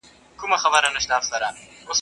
دا د یزید او کربلا لښکري.